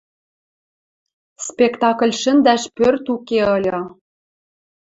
Спектакль шӹндӓш пӧрт уке ыльы.